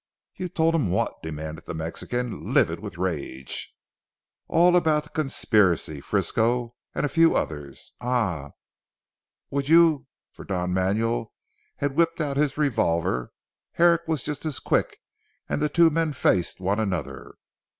"You told him what?" demanded the Mexican livid with rage. "All about the conspiracy Frisco, and a few other ah, would you" for Don Manuel had whipped out his revolver. Herrick was just as quick and the two men faced one another.